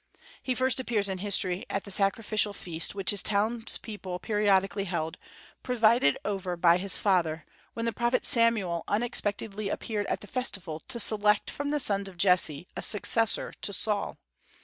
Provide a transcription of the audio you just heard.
He first appears in history at the sacrificial feast which his townspeople periodically held, presided over by his father, when the prophet Samuel unexpectedly appeared at the festival to select from the sons of Jesse a successor to Saul.